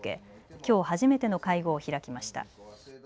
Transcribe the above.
きょう初めての会合を開きました。